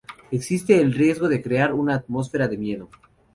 Existe el riesgo de crear una atmósfera de miedo.